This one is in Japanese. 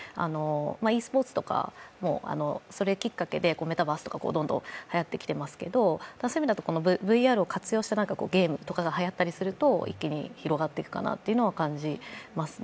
ｅスポーツとかもそれきっかけで、メタバースとかどんどんはやってきていますけれども、ＶＲを活用したゲームとかがはやったりすると一気に広がっていくかなっていうのを感じますね。